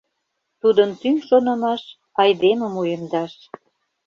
Тудын тӱҥ шонымаш — айдемым уэмдаш.